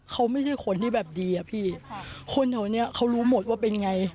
เขาไม่ใช่คนที่แบบดีอะพี่คนแถวเนี้ยเขารู้หมดว่าเป็นไง